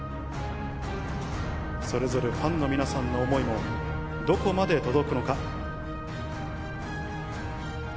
それぞれファンの皆さんの思いも、どこまで届くのか。